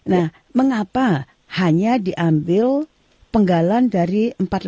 nah mengapa hanya diambil penggalan dari empat ribu lima ratus enam puluh lima